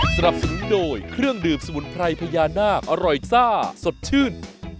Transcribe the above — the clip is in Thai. สนับสนุนโดยเครื่องดื่มสมุนไพรพญานาคอร่อยซ่าสดชื่น